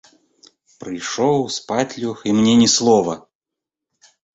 Прыйшоў, спаць лёг і мне ні слова.